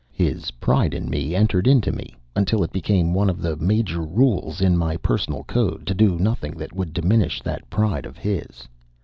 His pride in me entered into me, until it became one of the major rules in my personal code to do nothing that would diminish that pride of his.